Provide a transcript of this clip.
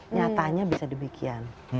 nyatanya bisa demikian